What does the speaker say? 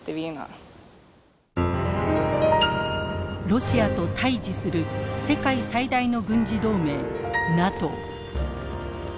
ロシアと対峙する世界最大の軍事同盟ＮＡＴＯ。